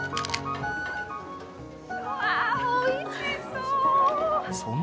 うわ、おいしそう！